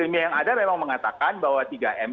ilmiah yang ada memang mengatakan bahwa tiga m